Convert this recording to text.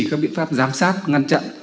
các biện pháp giám sát ngăn chặn